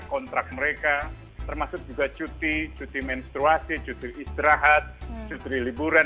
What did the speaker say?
kontrak mereka termasuk juga cuti cuti menstruasi cuti istirahat cuti liburan